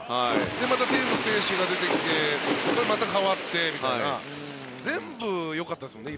またテーブス選手が出てきてまた変わってみたいな全部よかったですもんね